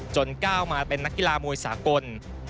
ก้าวมาเป็นนักกีฬามวยสากล